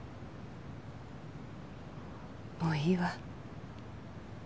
もういいわ。